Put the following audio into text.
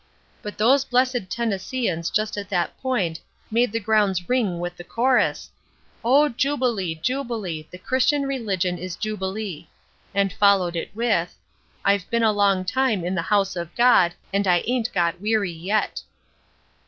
But those blessed Tennesseeans just at that point made the grounds ring with the chorus, "Oh jubilee! jubilee! the Christian religion is jubilee!" and followed it with: "I've been a long time in the house of God, and I ain't got weary yet."